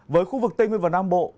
với khu vực tây nguyên và nam bộ